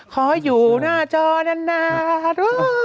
ขออยู่หน้าจอนาน